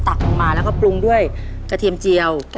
ลงมาแล้วก็ปรุงด้วยกระเทียมเจียว